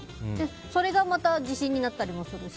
それがまた自信になったりもするし。